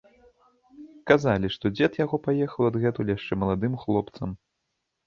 Казалі, што дзед яго паехаў адгэтуль яшчэ маладым хлопцам.